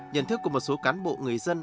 nhận thức của một số cán bộ người dân